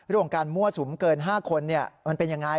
เรื่องการมั่วสุมเกิน๕คนมันเป็นอย่างไร